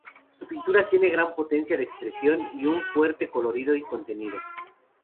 Su pintura tiene gran potencia de expresión y un fuerte colorido y contenido.